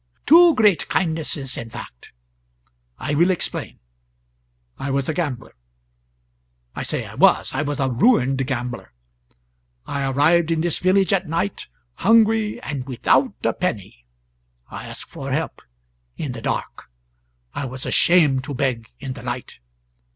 Two great kindnesses in fact. I will explain. I was a gambler. I say I WAS. I was a ruined gambler. I arrived in this village at night, hungry and without a penny. I asked for help in the dark; I was ashamed to beg in the light.